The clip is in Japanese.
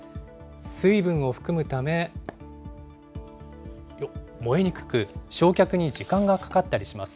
水分を含むため燃えにくく、焼却に時間がかかったりします。